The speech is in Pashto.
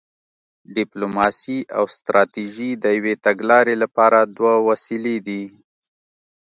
ډیپلوماسي او ستراتیژي د یوې تګلارې لپاره دوه وسیلې دي